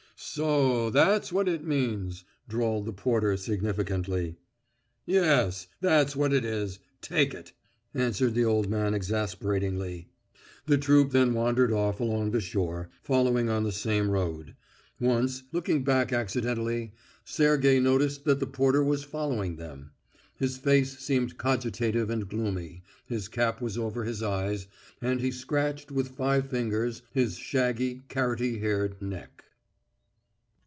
"So o, that's what it means," drawled the porter significantly. "Yes. That's what it is. Take it!" answered the old man exasperatingly. The troupe then wandered off along the shore, following on the same road. Once, looking back accidentally, Sergey noticed that the porter was following them; his face seemed cogitative and gloomy, his cap was over his eyes, and he scratched with five fingers his shaggy carrotty haired neck.